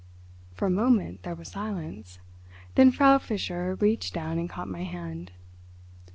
For a moment there was silence. Then Frau Fischer reached down and caught my hand.